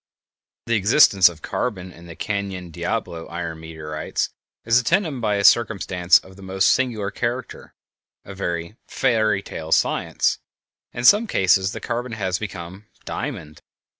The existence of carbon in the Canyon Diablo iron meteorites is attended by a circumstance of the most singular character—a very "fairy tale of science." In some cases _the carbon has become diamond!